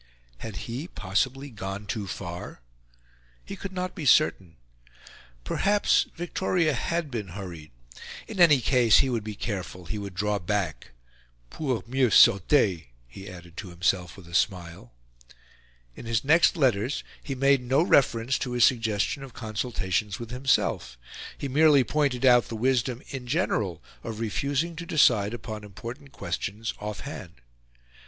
Had he, possibly, gone too far? He could not be certain; perhaps Victoria HAD been hurried. In any case, he would be careful; he would draw back "pour mieux sauter" he added to himself with a smile. In his next letters he made no reference to his suggestion of consultations with himself; he merely pointed out the wisdom, in general, of refusing to decide upon important questions off hand.